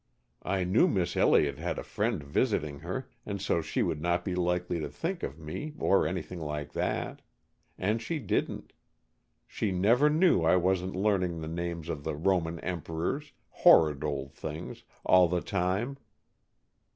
I knew Miss Elliott had a friend visiting her, and so she would not be likely to think of me or anything like that. And she didn't. She never knew I wasn't learning the names of the Roman emperors, horrid old things, all the time."